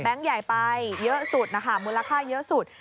แบงค์ใหญ่ไปเยอะสุดมูลค่าเยอะสุด